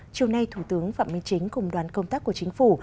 chiều nay thủ tướng phạm minh chính cùng đoàn công tác của chính phủ